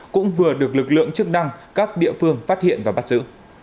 cũng vừa được lực lượng chức năng các địa phương phát hiện và bắt giữ